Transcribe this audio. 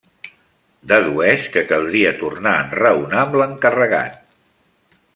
Dedueix que caldria tornar a enraonar amb l'encarregat.